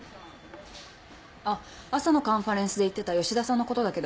あっ朝のカンファレンスで言ってた吉田さんのことだけど。